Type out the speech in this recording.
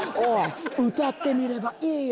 「歌ってみればいいよ